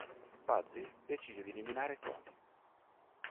Buddy decise di eliminare Tony.